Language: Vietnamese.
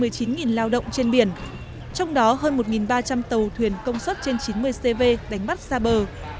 với hơn một mươi chín lao động trên biển trong đó hơn một ba trăm linh tàu thuyền công suất trên chín mươi cv đánh bắt xa bờ